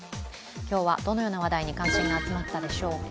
今日はどのような話題に関心が集まったでしょうか。